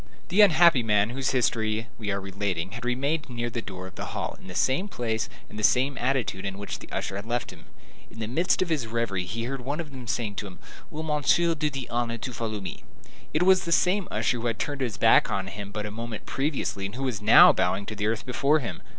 The unhappy man whose history we are relating had remained near the door of the hall, in the same place and the same attitude in which the usher had left him. In the midst of his reverie he heard some one saying to him, "Will Monsieur do me the honor to follow me?" It was the same usher who had turned his back upon him but a moment previously, and who was now bowing to the earth before him.